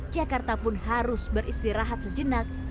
jakarta pun harus beristirahat sejenak